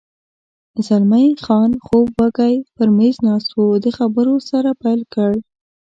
زلمی خان خوب وږی پر مېز ناست و، د خبرو سر پیل کړ.